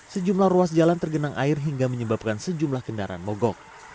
sejumlah ruas jalan tergenang air hingga menyebabkan sejumlah kendaraan mogok